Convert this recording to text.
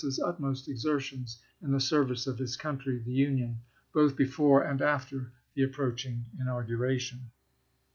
's utmost exertions in the service of his country (the Union) both before and after the approaching inauguration."